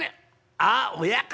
あっ親方